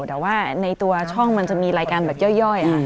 แต่ว่าในตัวช่องมันจะมีรายการแบบย่อย